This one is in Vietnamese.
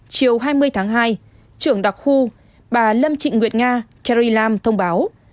chiều hai mươi tháng hai trưởng đặc khu bà lâm trịnh nguyệt nga carrie lam thông báo